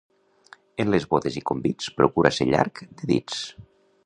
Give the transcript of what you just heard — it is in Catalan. En les bodes i convits procura ser llarg de dits.